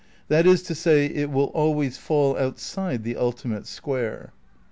That is to say, it will always fall outside the ultimate square.